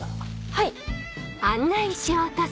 はい。